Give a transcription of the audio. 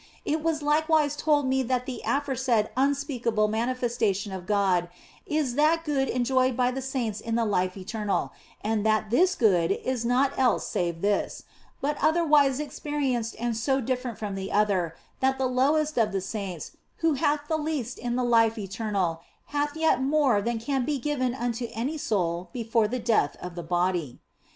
It was likewise told me that the aforesaid unspeakable manifestation of God is that Good enjoyed by the saints in the life eternal, and that this Good is naught else save this, but otherwise experienced and so different from the other that the lowest of the saints who hath the least in the life eternal hath yet more than can be given unto any soul before the death of the body.